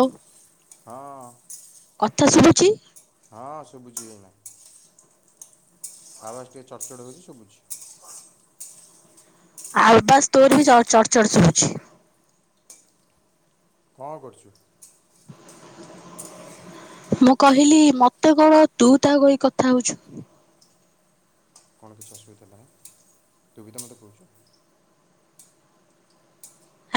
ଓ ହଁ। କଥା ଶୁଭୁଛି ହଁ ସୁବୁଚି ଏନା। ଆଉ ବାସ୍ ଟିକେ ଚଡ଼ ଚଡ଼ ହଉଚି ସୁବୁଚି। ଆଉ ବାସ୍ ତୋର ହି ଚଡ୍ ଚଡ଼ ଚଡ଼ ସୁବୁଚି। କଣ କରୁଚୁ? ମୁଁ କହିଲି, ମତେ କଣ ତୁ ତା କହି କଥା ହଉଚୁ? କଣ କିଛି ଅସୁବିଧା ହେଲା ହାଁ? ତୁବି ତ ମତେ କହୁଚୁ।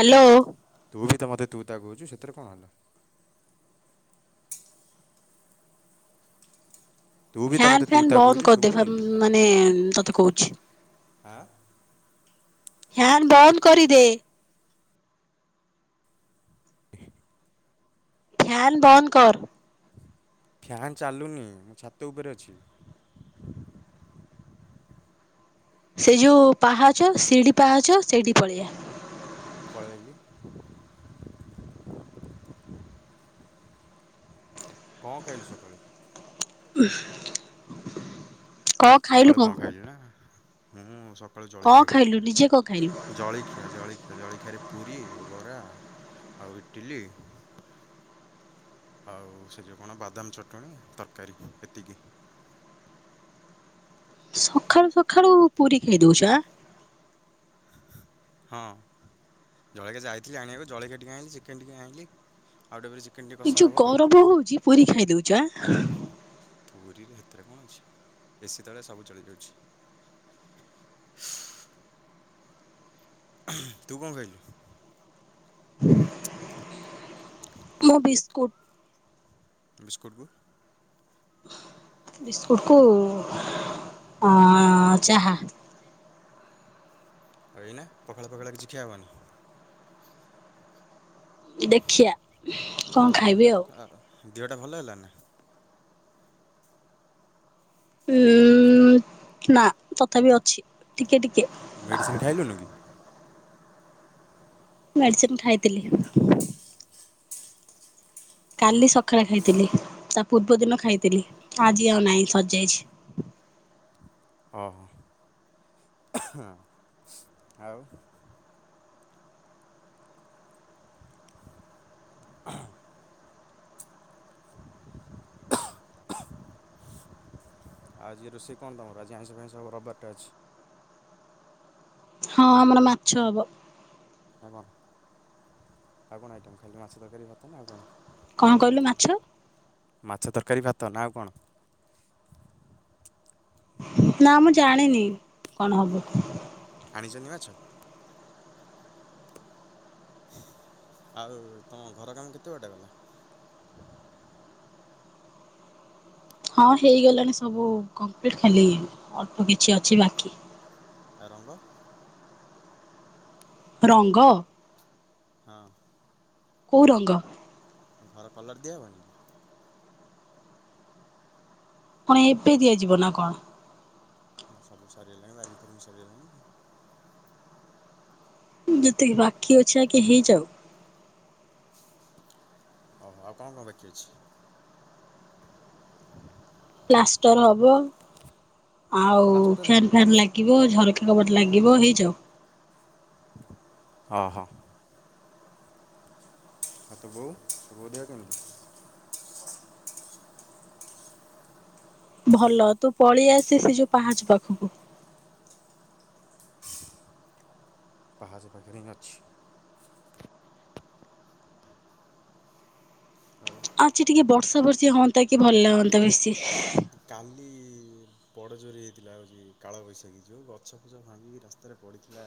ହାଲୋ। ତୁ ବି ତ ମତେ ତୁ ତା କହୁଚୁ। ସେଥରେ କଣ ହେଲା? ତୁ ବି ତ ଫ୍ୟାନ୍ ମୋତେ ତୁ ଫ୍ୟାନ୍ ତା ବନ୍ଦ କହୁଛୁ କରିଦେ ଥା ଶୁଭୁନି ହମ୍ କି ମାନେ ତତେ କହୁଚି। ହାଁ? ଫ୍ୟାନ୍ ବନ୍ଦ କରିଦେ। ଫ୍ୟାନ୍ ବନ୍ଦ୍ କର। ଫ୍ୟାନ୍ ଚାଲୁନି। ମୁଁ ଛାତ ଉପରେ ଅଛି। ସେ ଯେଉ ପାହାଚ, ସିଡି ପାହାଚ ସେଇଠିକି ପଳେଇଆ। ପଳିଆଇଲି। କଣ ଖାଇଚୁ ସକାଳୁ। କଣ ଖାଇଲୁ ସକାଳୁ କଣ ଖାଇଚୁ ନା ମୁଁ ସକ କାଳୁ କଣ ଜଳିଖିଆ ଖାଇଚି ଖାଇଲୁ ବା ନିଜେ କଣ ଖାଇଲୁ ଜଳିଖିଆ ଜଳିଖି ଆ ଜଳଖିଆାରେ ପୁରୀ, ବରା, ଆଉ ଇଟିଲି। ଆଉ ସେ ଯୋଉ କଣ ବାଦାମ ଚଟଣି ତରକାରୀ ଏତିକି। ସଖାଳୁ ସଖାଳୁ ପୁରି ଖାଇଦଉଛ ଆଁ। ହଁ ଜଳଖିଆ ଯାଇଥିଲି ଆଣିବାକୁ ଜଳଖିଆ ଟିକେ ଆଇଁଲି ଚିକେନ୍ ଟିକେ ଆଇଁଲି। ଆଉ ଟିଏ ପରେ ଚେକେନ ଟିଏ ଏଇ ଯୋଉ ଗରମ ହଉଛି ପୁରି ଖାଇଦଉଛ ଆଁ। ପୁରିରେ ହେଥିରେ କଣ ଅଛି ଏସି ତଳେ ସବୁ ଚଳିଯାଉଛି। ହୁଁ ତୁ କଣ ଖାଇଲୁ? ମୁଁ ବିସ୍କୁଟ୍। ବିସ୍କୁଟ୍ କୁ? ବିସ୍କୁଟ୍ କୁ ଅଁ ଚାହା। ଆଉ ଏଇନା ପଖାଳ ଫଖାଳ କିଛି ଖିଆ ହେବନି? ଦେଖିଆ କଣ ଖାଇବି ଆଉ। ଦେହ ଟା ଭଲ ହେଲା ନା? ଉଁ ନା ତଥାପି ଅଛି ଟିକେ ଟିକେ। ମେଡ଼ିସିନ୍ ଖାଇଲୁନୁ କି? ମେଡିସିନ୍ ଖାଇଥିଲି। କାଲି ସଖାଳେ ଖାଇଥିଲି ତା ପୂର୍ବ ଦିନ ଖାଇଥିଲି ଆଜି ଆଉ ନାହିଁ ସର୍ ଯାଇଛି। ଓଃ ଆଉ? [unintelligible] ଆଜି ରୋଷେଇ କଣ ତମର ଆଜି ଆଇଁଷ ଫାଇଁଷ ହବ ରବବାରଟା ଅଛି। ହଁ ଆମର ମାଛ ହବ। ଆଉ କଣ ଆଉ କଣ ଆଇଟମ୍ ଖାଲି ମାଛ ତରକାରୀ ଭାତ ନା ଆଉ କଣ? କଣ କିହିଲୁ ମାଛ? ମାଛ ତରକାରୀ ଭାତ ନା ଆଉ କଣ? ନା ମୁଁ ଜାଣିନି କଣ ହବ? ଆଣିଛନ୍ତି ମାଛ। ଆଉ ତମ ଘର କାମ କେତେ ବାଟ ଗଲା? ହଁ ହେଇଗଲାଣି ସବୁ କମ୍ପ୍ଲିଟ୍ ଖାଲି ଅଳ୍ପ କିଛି ଅଛି ବାକି। ଆଉ ରଙ୍ଗ। ରଙ୍ଗ। ହଁ। କଉ ରଙ୍ଗ? ଘର କଲର୍ ଦିଆହେବନି କି? କଣ ଏବେ ଦିଆଯିବ ନା କଣ? ନ ସବୁ ସରି ଗଲାଣି ୱାରିଙ୍ଗ ଫାରିଙ୍ଗ ସରିଗଲାଣି। ଯେତିକି ବାକି ଅଛି ଆଗେ ହେଇଯାଉ। ଓହୋ ଆଉ କଣ କଣ ବାକି ଅଛି? ପ୍ଲାଷ୍ଟର ହବ ଆଉ ପ୍ଲାଷ୍ଟର ହିଁ ଫ୍ୟାନ ଫ୍ୟାନ୍ ଲାଗି ଓହୋ। ଲାଗିବ ଝରକା କବାଟ ଲାଗିବ ହେଇଯାଉ। ଓ ହ। ଆଉ ତୋ ବୋଉ ତୋ ବୋଉ ଦେହ କେମିତି। ଭଲ ତୁ ପଳେଇ ଆସେ ସେ ଯୋଉ ପାହାଚ ପାଖକୁ। ପହାଚ ପାଖରେ ହିଁ ଅଛି। ଆଉ। ଆଜି ଟିକେ ବର୍ଷା ବର୍ଷୀ ହଅନ୍ତା କି ଭଲ ଲାଗନ୍ତା ବେଶୀ। କାଲି ବଡ ଜୋରେ ହେଇଥିଲା ହଉଚି କାଳବୈଶାଖୀ ଯୋଉ ଗଛ ଫଛ ଭାଙ୍ଗିକି ରାସ୍ତାରେ ପଡିଥିଲା।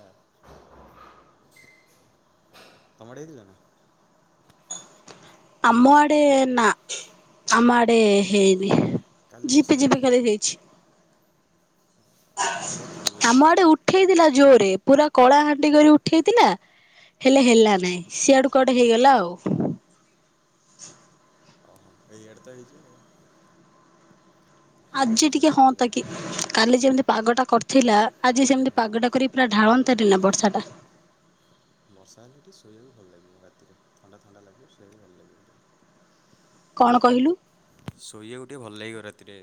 ତମ ଆଡେ ହେଇଥିଲା ନା। ଆମ ଆଡେ ନା ଆମ ଆଡେ ହେଇନି। କାଲି ବର୍ଷା ଝିପି ଝିପି ହେଇନି ଖାଲି ହେଇଛି। ଆଡ଼େ ଜୋରେ ଆମ ହେଇଥିଲା। ଆଡେ ଉଠେଇଥିଲା ଜୋରେ ପୁରା କଳା ହାଣ୍ଡି କରି ଉଠେଇଥିଲା ହେଲେ ହେଲା ନାଇଁ ସିଆଡୁ କୁଆଡେ ହେଇଗଲା ଆଉ। ହଁ ଏଇଆଡେ ତ ହେଇଛି ଆଉ। ବଡ଼ ଆଜି ଟିକେ ଜୋରେ ହଁ ହେଇଛି ବା ତାକି କାଲି ଯେମିତି ପାଗଟା କରିଥିଲା ଆଜି ସେମିତି ହଁ ପାଗଟା କରି ପୁରା ଢାଳନ୍ତାରିନା ବର୍ଷାଟା। ବର୍ଷା ହେଲେ ଟିକେ ଶୋଇଆକୁ ଭଲ ଲାଗିବ ରାତିରେ ଥଣ୍ଡା ଥଣ୍ଡା ଲାଗିବ ଶୋଇଆକୁ ଭଲ ଲାଗିବ ରାତିରେ। କଣ କହିଲୁ? ଶୋଇଆକୁ ଟିକେ ଭଲ ଲାଗିବ ରାତିରେ।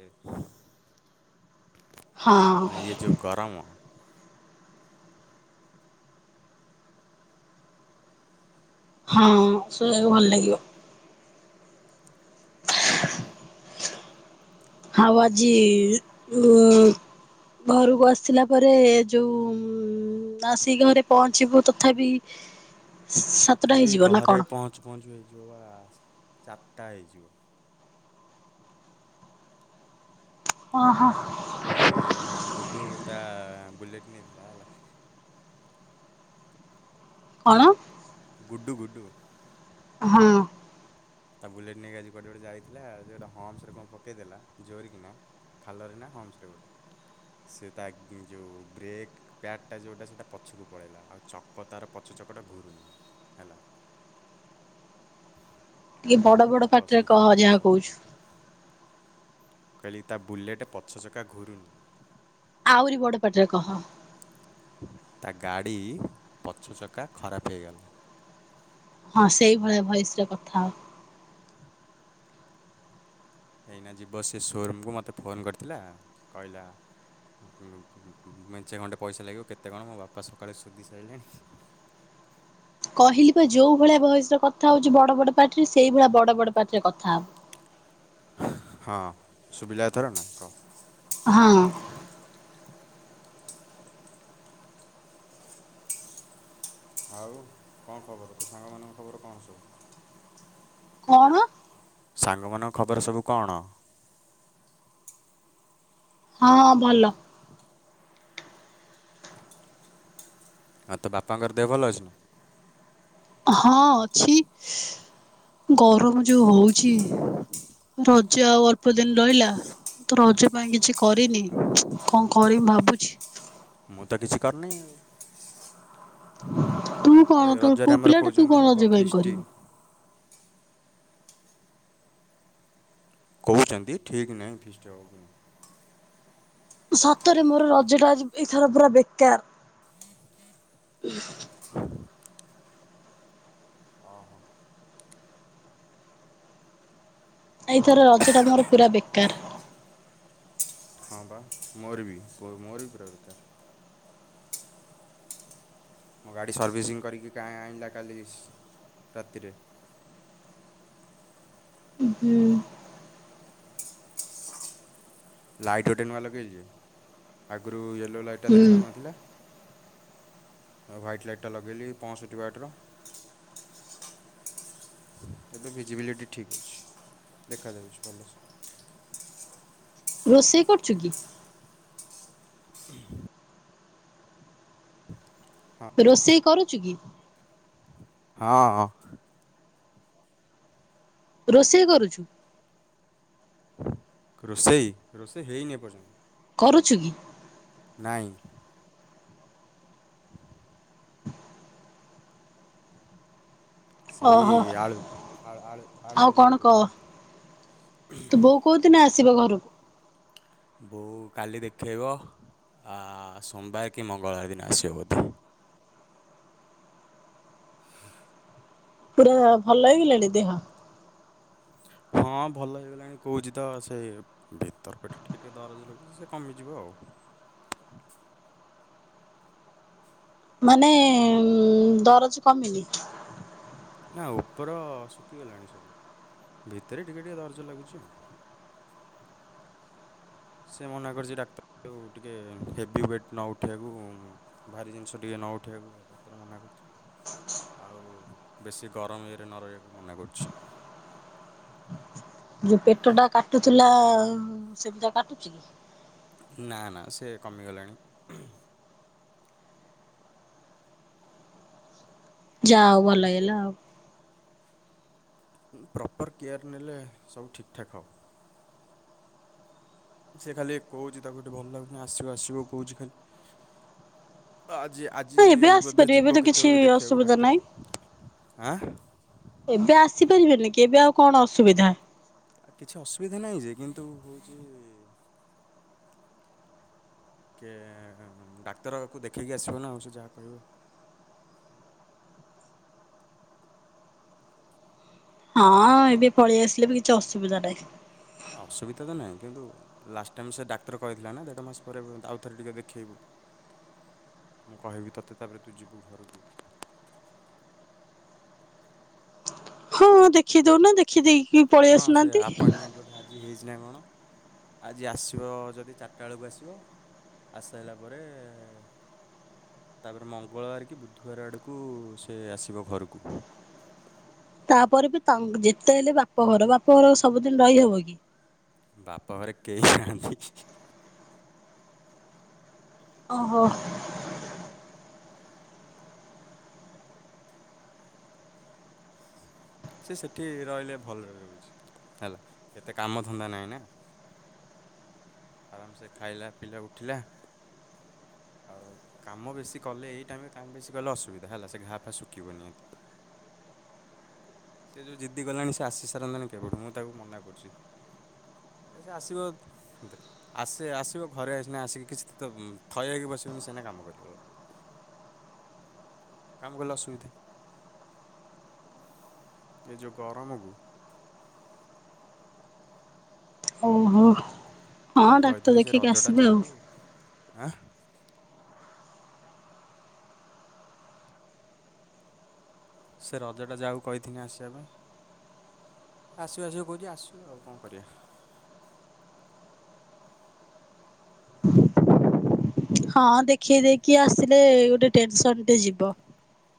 ହଁ। ନାଇଁ ଇଏ ଯୋଉ ଗରମ। ହଁ ଶୋଇଆକୁ ଭଲ ଲାଗିବ। [inaudible] ହଉ ଆଜି ଉ ଘରୁକୁ ଆସିଲା ପରେ ଯୋଉ ଉଁ ଉଁ ଆସିକି ଘରେ ପହଞ୍ଚିବୁ ତଥାପି ସାତଟା ହେଇଯିବ ନା କଣ? ଚୁ ପହଞ୍ଚୁ ହେଇଯିବ ବା ଚାରିଟା ହେଇଯିବ। ହଁ ହଁ। କିଏ ଗୁଡୁ ତା ବୁଲେଟ୍ ନେଇଥିଲା ହେଲା। କଣ? ଗୁଡୁ ଗୁଡୁ। ହଁ। ତା ବୁଲେଟ୍ ନେଇକି ଆଜି କୁଆଡେ ଗୋଟେ ଯାଇଥିଲା ସିଏ ଗୋଟା ହମ୍ପସରେ କଁ ପକେଇଦେଲା ଜୋରେ କିନା ଖାଲରେ ନା ହମ୍ପସରେ ଗୋଟେ ସିଏ ତା ଗିଁ ଯୋଉ ବ୍ରେକ୍ ପ୍ୟାଡଟା ଯୋଉଟା ସେଇଟା ପଛୁକୁ ପଳେଇଲା ଆଉ ଚକ ତାର ପଛ ଚକଟା ଘୁରୁନି ହେଲା। ଟିକେ ବଡ ବଡ ବଡ଼ ପାଟିରେ ଅସୁବିଧା କହ କରିଦେଇଛି ଯାହା ସକାଳେ କହୁଛୁ। କହିଲି ତା ବୁଲେଟ୍ ପଛ ଚକା ଘୁରୁନି। ଆଉରି ବଡ ପାଟରେ କହ। ତା ଗାଡି ପଛ ଚକା ଖରାପ ହେଇଗଲା‌। ହଁ ସେଇଭଳିଆ ଭଏସରେ କଥା ହୋ। ଏଇନା ଯିବ ସେ ସୋରୁମକୁ ମୋତେ ଫୋନ୍ କରିଥିଲା କଇଲା ଉଁ କୁଁ ଉଁ ଉଁ ମଞ୍ଚେ ଖଣ୍ଡେ ପଇସା ଲାଗିବ କେତେ କଣ ମୋ ବାପା ସକାଳେ ସୋଦି ସାଇଲେଣି। କହିଲି ପା ଯୋଉ ଭଳିଆ ଭଏସରେ କଥା ହଉଚି ବଡ ବଡ ପାଟିରେ ସେଇଭଳିଆ ବଡ ବଡ ପାଟିରେ କଥା ହବୁ। ହଁ ଶୁଭିଲା ଏଥର ନା କ। ହଁ। ଆଉ କଁ ଖବର ତୋ ସାଙ୍ଗମାନଙ୍କ ଖବର କଣ ସବୁ। କଣ? ସାଙ୍ଗମାନଙ୍କ ଖବର ସବୁ କଣ? ହଁ ଭଲ। ଆଉ ତୋ ବାପାଙ୍କର ଦେହ ଭଲ ଅଛି ନା। ହଁ ଅଛି ସି ଗରମ ଯୋଉ ହଉଛି। ରଜ ଆଉ ଅଳ୍ପ ଦିନ ରହିଲା। ତୁ ରଜ ପାଇଁ କିଛି କରିନି କଁ କରିମି ଭାବୁଛି। ମୁଁ ତ କିଛି କରିନି ଆଉ। ତୁ ଏ କଣ ତୋର ରଜରେ ପୁଅ ଆମର ପିଲାଟା ତୁ କହୁଛନ୍ତି କଁ ହେବ ରଜ ପାଇଁ ଫିଷ୍ଟ କରିବୁ‌। ହଉଛନ୍ତି ଠିକ ନାଇଁ ଫିଷ୍ଟିହବ କି ନାଇଁ। ସତରେ ମୋର ରଜଟା ଜ ଏଥର ପୁରା ବେକାର। ଅହୋ। ଏଇଥର ରଜ ଟା ମୋର ପୁରା ବେକାର। ହଁ ବା ମୋର ବି ମୋର ବି ପୁରା ବେକାର। ମୋ ଗାଡ଼ି ସର୍ଭିସିଂ କରିକି କାହିଁ ଆଣିଲା କାଲି ରାତିରେ ହୁଁ। ଲାଇଟ୍ ଗୋଟେ ନୂଆ ଲଗେଇଲି, ଆଗରୁ ୟେଲୋ ଲାଇଟା ଦେଖାହେଉନଥିଲା‌। ଆଉ ୱାଇଟ ଲାଇଟ୍ଟା ଲଗେଇଲି ପଞ୍ଚଷଠି ୱାଟ୍ ର। ଏବେ ଭିଜିବିଲିଟି ଠିକ୍ ଅଛି ଦେଖାଯାଉଚି କଲର। ରୋଷେଇ କରୁଚୁ କି? ହୁ। ରୋଷେଇ କରୁଛୁ କି? ହଁଁ ହଁ ହଁ। ରୋଷେଇ କରୁଛୁ? ରୋଷେଇ ରୋଷେଇ ହେଇନି ଏ ପର୍ଯ୍ୟନ୍ତ। କରୁଛୁ କି? ନାଇଁ। ସେଇ ଓହୋ ଆଳୁ ଆଳୁ ଆଳୁ ଆଳୁ ଆଉ ଟିକିଏ କଣ ଇଏ କରଥିନି‌। କେଉଁଦିନ ଆସିବ ଘରୁକୁ? ବୋଉ କାଲି ଦେଖେଇବ ଆ ସୋମବାର କି ମଙ୍ଗଳବାର ଦିନ ଆସିବ ବୋଧେ‌। ହୁଁ। ପୁରା ଭଲ ହେଇଗଲାଣି ଦେହ? ହଁ ଭଲ ହେଇଗଲାଣି କହୁଛି ତ ସେ ଭିତର ପେଟ ଟିକେ ଟିକେ ଦରଜ ଲଗୁଛି ସେ କମିଯିବ ଆଉ। ମାନେ ଉ ଦରଜ କମିନି? ନା ଉପର ଶୁଖିଗଲାଣି ସବୁ ଭିତରେ ଟିକେ ଟିକେ ଦରଜ ଲାଗୁଛି ଆଉ। ସେ ମନା କରିଛି ଡାକ୍ତର ଟିକେ ହେଭି ୱେଟ୍ ନ ଉଠିବାକୁ। ଭାରି ଜିନିଷ ଟିକିଏ ନ ଉଠାଇବାକୁ ଡାକ୍ତର ମନା କରୁଚି। ଆଉ ବେଶୀ ଗରମ ଇଏରେ ନ ରହିବାକୁ ମନା କରଚି। ଯୋଉ ପେଟ ଟା କାଟୁଥିଲା ସେମିତି କାଟୁ ନା ନା ସେ କମିଗଲାଣି। ଯାଅ ଭଲ ହେଇଗଲା ଆଉ। ପ୍ରପର୍ କେୟାର୍ ନେଲେ ସବୁ ଠିକ୍ ଠାକ୍ ହେବ। ସେ ଖାଲି କହୁଛି ତାକୁ ଏଠି ଭଲ ଲାଗୁନି, ଆସିବ ଆସିବ କହୁଛି ଖାଲି। ଆଜି ଆଜି ହଁ ଏବେ ବୋଧେ ଆସିପାରିବେ ଏବେ ଯିବ ତ କିଛି କେତେବେଳକୁ ଦେଖିବାକୁ ଅସୁବିଧା ନାହିଁ। ଡାକ୍ତର, ଆଁ ଏବେ ଆସିପାରିବେନି କି ଏବେ ଆଉ କଣ ଅସୁବିଧା? ଆ କିଛି ଅସୁବିଧା ନାହିଁ ଯେ, କିନ୍ତୁ ହେଉଛି କିଏ ଡାକ୍ତର କୁ ଦେଖେଇକି ଆସିବ ନା ଆଉ ସେ ଯାହା କହିବ? ହଁ ଏବେ ପଳେଇ ଆସିଲେ ବି କିଛି ଅସୁବିଧା ନାହିଁ। ନା ଅସୁବିଧା ତ ନାହିଁ, କିନ୍ତୁ ଲାଷ୍ଟ ଟାଇମ୍ ସେ ଡାକ୍ତର କହିଥିଲା ନା ଦେଢ଼ ମାସ ପରେ ଆଉଥରେ ଟିକେ ଦେଖେଇବ। ମୁଁ କହିବି ତୋତେ ତାପରେ ତୁ ଯିବୁ ଘରକୁ। ହଁ ଦେଖେଇ ଦଉନା ଦେଖି ଦେଇକି ପଳେଇ ହଁ ସେ ଆସୁନାହାନ୍ତି। ଆପଏଣ୍ଟମେଣ୍ଟ [unintelligible] ନା କଣ। ଆଜି ଆସିବ ଯଦି ଚାରିଟା ବେଳକୁ ଆସି ଆସାରିଲା ପରେ ତାପରେ ମଙ୍ଗଳବାର କି ବୁଧବାର ଆଡ଼କୁ ସେ ଆସିବ ଘରକୁ। ତାପରେ ବି ତା ଯେତେ ହେଲେ ବାପଘର ବାପଘର ସବୁଦିନ ରହିହବ କି? ବାପା ଘରେ କେହି ନାହାନ୍ତି। ଓହୋ। ସେ ସେଠି ରହିଲେ ଭଲରେ ରହୁଛି। ହେଲା ଏତେ କାମ ଧନ୍ଦା ନାହିଁ ନା। ଆରାମସେ ଖାଇଲା ପିଇଲା ଉଠିଲା ଆଉ। କାମ ବେଶୀ କଲେ ଏଇ ଟାଇମରେ କାମ ବେଶୀ କଲେ ଅସୁବିଧା ହେଲା ସେ ଘା ଫା ଶୁଖିବନିହାତି। ସେ ଯୋଉ ଜିଦି ଗଲାଣି ସେ ଆସି ସାରନ୍ତାଣି କେବେଠୁ ମୁଁ ତାକୁ ମନା କରୁଛି। ଏ ସେ ଆସିବ ଦେଖ ଆସେ ଆସିବ ଘରେ ଆସନା ଆସିକି କିଛି ତ ତ ଥଇ ହେଇକି ବସିବନି ସେନା କାମ କରିବ। କାମ କଲେ ଅସୁବିଧା। ଏ ଯୋଉ ଗରମକୁ ଓହୋ। ହଁ ମୁଁ ଡାକ୍ତର କହିଥିଲି ସେ ଦେଖିକି ରଜଟା ଆସିବେ ଯାଉ ଆଉ ଆଁ। ସେ ରଜଟା ଯାଉ କହିଥିନି ଆସିବା ପାଇଁ? ଆସିବା ଆସିବା କହୁଛି ଆସୁ ଆଉ କଣ କରିବା। ହଁ ଦେଖେଇ ଦେଇକି ଆସିଲେ ଗୋଟେ ଟେନସନ ଟେ ଯିବ।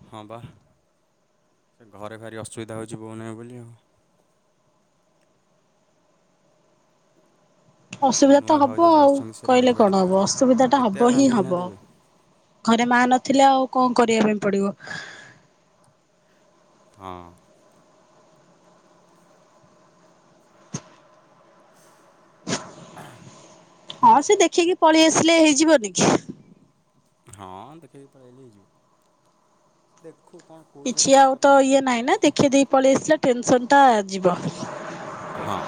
ହଁ ବା। ଘରେ ଭାରି ଅସୁବିଧା ହେଉଛି ବୋଉ ନାହିଁ ବୋଲି ଆଉ। ସେ ଅସୁବିଧା ନୂଆ ତ ଭାଉଜ ହବ। ଯିଏ ଆଉ ଆସିଛନ୍ତି ସେ କହିଲେ ରାନ୍ଧି ବାଢ଼ି କଣ ହବ ଦେଉଛନ୍ତି। ଅସୁବିଧା ଟା କେତେ ଆଉ ହବ ହିଁ ରାନ୍ଧିକିନା ହବ। ଦେବେ ଘରେ ମା ନଥିଲେ ଆଉ କଣ କରିବା ପାଇଁ ପଡିବ। ହଁ। ହଁ। ହଁ ସେ ଦେଖିକି ପଳେଇ ଆସିଲେ ହେଇଯିବନି କି? ହଁ ଦେଖେଇକି ପଳେଇଲେ ହେଇଯିବ। ଦେଖୁ କଣ କୁ କିଛି ଆଉ ତ ଇଏ ନାହିଁ ନା ଦେଖି ଦେଇ ପଳେଇ ଆସିଲା ଟେନସନ ଟା ଯିବ। ହଁ।